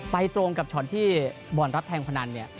ตรงกับช็อตที่บอลรับแทงพนันเนี่ย